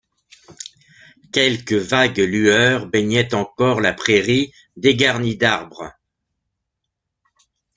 Quelques vagues lueurs baignaient encore la prairie dégarnie d’arbres